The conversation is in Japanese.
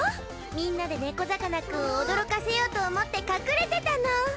みんなでねこざかなくんを驚かせようと思って隠れてたの。